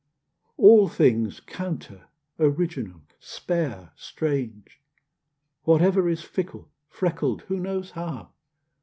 All things counter, original, spare, strange; Whatever is fickle, freckled (who knows how?)